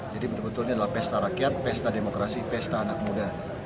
jadi betul betul ini adalah pesta rakyat pesta demokrasi pesta anak muda